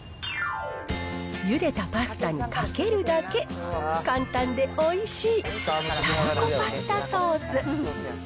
ゆでたパスタにかけるだけ、簡単でおいしい、たらこパスタソース。